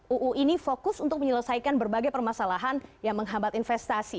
uu ini fokus untuk menyelesaikan berbagai permasalahan yang menghambat investasi